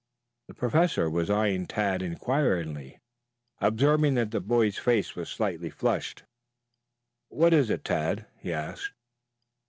The Professor was eyeing Tad inquiringly, observing that the boy's face was slightly flushed. "What is it, Tad?" he asked.